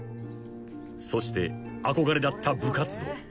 ［そして憧れだった部活動］